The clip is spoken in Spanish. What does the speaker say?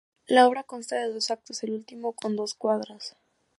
La obra consta de dos actos, el último con dos cuadros.